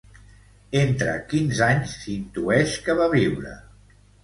Entre quins anys s'intueix que va viure?